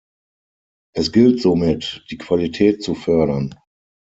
Es gilt somit, die Qualität zu fördern.